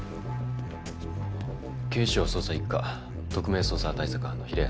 警視庁捜査一課特命捜査対策班の平安です。